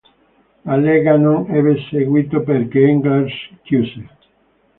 La lega non ebbe seguito perché Hengler's chiuse.